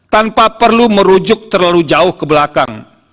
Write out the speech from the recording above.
tanpa perlu merujuk terlalu jauh ke belakang